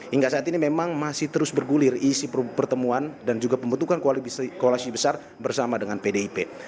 hingga saat ini memang masih terus bergulir isi pertemuan dan juga pembentukan koalisi besar bersama dengan pdip